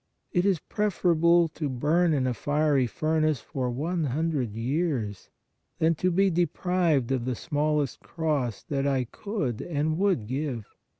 It is preferable to burn in a fiery furnace for one hundred years than to be deprived of the smallest cross that I could and would give.